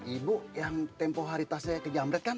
ibu yang tempoh hari tasnya kejamret kan